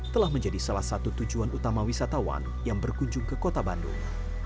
telah menjadi salah satu tujuan utama wisatawan yang berkunjung ke kota bandung